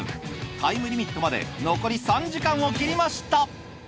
タイムリミットまで残り３時間を切りました！